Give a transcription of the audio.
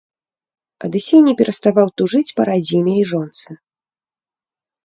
Адысей не пераставаў тужыць па радзіме і жонцы.